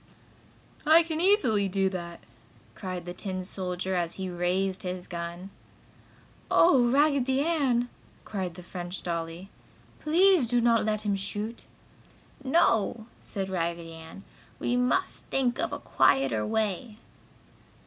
"I can easily do that!" cried the tin soldier, as he raised his gun. "Oh, Raggedy Ann!" cried the French dolly. "Please do not let him shoot!" "No!" said Raggedy Ann. "We must think of a quieter way!"